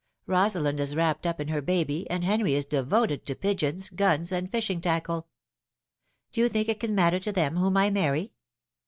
Rosalind is wrapped up in her baby, and Henry is devoted to pigeons, guns, and fishing tackle. Do you think it can matter to them whom I marry